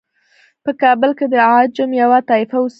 په کابل کې د عجم یوه طایفه اوسیږي.